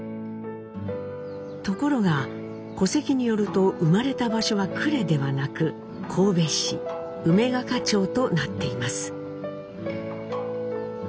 ところが戸籍によると生まれた場所は呉ではなく神戸市梅ヶ香町となっています。